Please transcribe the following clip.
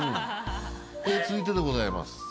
続いてでございます。